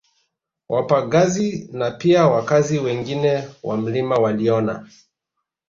Wapagazi na pia wakazi wengine wa mlima waliona